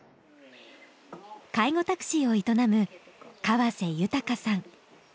介護タクシーを営む河瀬豊さん愛美さん夫婦。